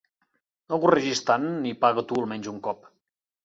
No gorregis tant i paga tu almenys un cop!